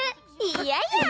いやいや！